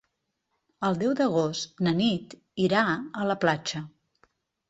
El deu d'agost na Nit irà a la platja.